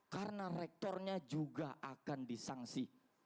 karena rektornya juga akan disangsi